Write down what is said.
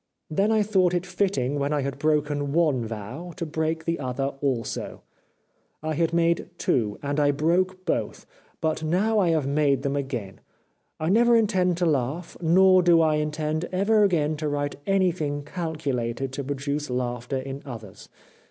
Then I thought it fitting when I had broken one vow to break the other also. I had made two, and I broke both, but now I have made them 396 The Life of Oscar Wilde again. I never intend to laugh, nor do I in tend ever again to write anything calculated to produce laughter in others.